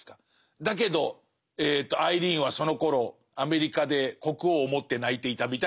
だけどアイリーンはそのころアメリカで国王を思って泣いていたみたいなのつけるじゃないですか。